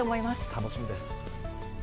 楽しみです。